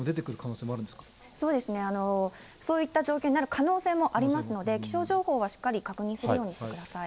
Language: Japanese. そうですね、そういった状況になる可能性もありますので、気象情報はしっかり確認するようにしてください。